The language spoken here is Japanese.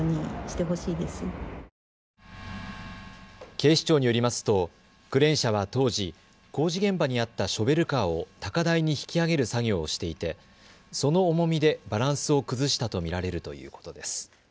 警視庁によりますとクレーン車は当時、工事現場にあったショベルカーを高台に引き上げる作業をしていてその重みでバランスを崩したと見られるということです。